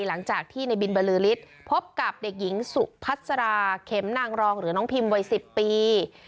หลังจากที่ในบินบรือฤทธิ์พบกับเด็กหญิงสุพัสราเข็มนางรองหรือน้องพิมวัย๑๐ปี